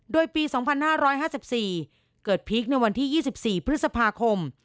โดยปี๒๕๕๔เกิดพีคในวันที่๒๔พฤษภาคม